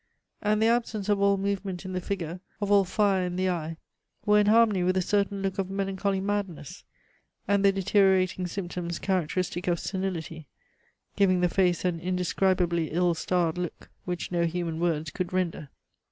And the absence of all movement in the figure, of all fire in the eye, were in harmony with a certain look of melancholy madness, and the deteriorating symptoms characteristic of senility, giving the face an indescribably ill starred look which no human words could render.